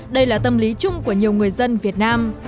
đây là tâm lý chung của nhiều người dân việt nam